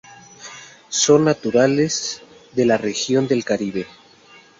Son naturales de la región del Caribe.